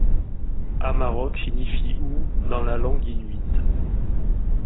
Amarok signifie ou dans la langue inuit.